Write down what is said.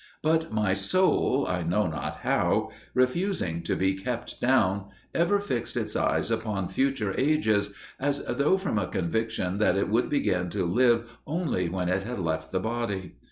But my soul, I know not how, refusing to be kept down, ever fixed its eyes upon future ages, as though from a conviction that it would begin to live only when it had left the body.